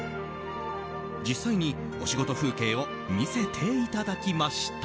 実際にお仕事風景を見せていただきました。